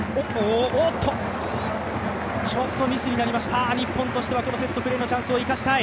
ちょっとミスになりました、日本としてはこのセットプレーのチャンスを生かしたい。